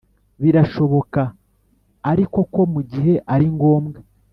birashoboka ariko ko mu gihe ari ngombwa